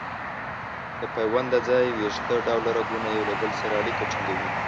د پیوند د ځای ویښته ډوله رګونه یو له بل سره اړیکه ټینګوي.